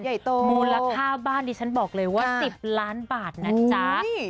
ใหญ่โตมูลค่าบ้านดิฉันบอกเลยว่า๑๐ล้านบาทนะจ๊ะโอ้โฮ